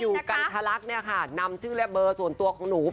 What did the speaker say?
กันทะลักเนี่ยค่ะนำชื่อและเบอร์ส่วนตัวของหนู